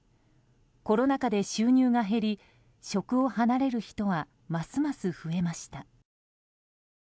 コロナ禍で収入が減り職を離れる人はますます増えました。